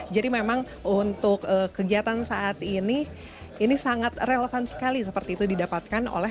jadi memang untuk kegiatan saat ini ini sangat relevan sekali seperti itu didapatkan oleh